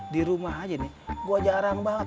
di rumah aja nih gue jarang banget